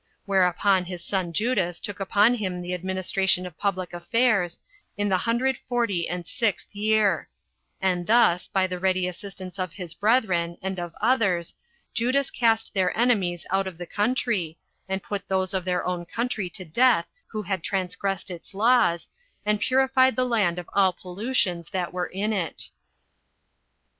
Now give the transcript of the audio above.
Whereupon his son Judas took upon him the administration of public affairs, in the hundred forty and sixth year; and thus, by the ready assistance of his brethren, and of others, Judas cast their enemies out of the country, and put those of their own country to death who had transgressed its laws, and purified the land of all the pollutions that were in it.